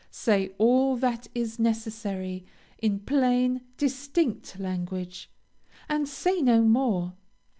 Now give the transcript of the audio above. Say all that is necessary, in plain, distinct language, and say no more.